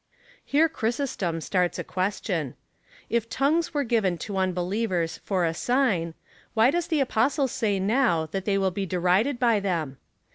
Here Chrysostom starts a question :" If tongues were given to unbelievers for a sign, why does the Apostle say now, that they will be derided by them?"